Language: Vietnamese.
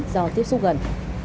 do tiếp xúc gần